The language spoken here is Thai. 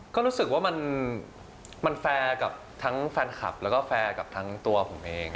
ก็รู้สึกว่ามันแฟร์กับทั้งแฟนคลับแล้วก็แฟร์กับทั้งตัวผมเอง